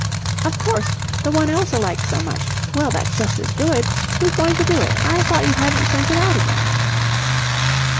"Of course! The one Elsa liked so much. Well, that's just as good. Who's going to do it? I thought you hadn't sent it out again."